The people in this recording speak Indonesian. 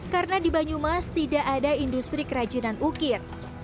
karena di banyumas tidak ada industri kerajinan ukir